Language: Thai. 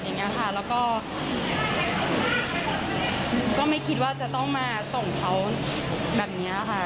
แล้วก็ก็ไม่คิดว่าจะต้องมาส่งเขาแบบนี้ค่ะ